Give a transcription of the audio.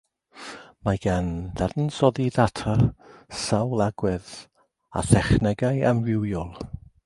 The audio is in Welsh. Mae gan ddadansoddi data sawl agwedd a thechnegau amrywiol.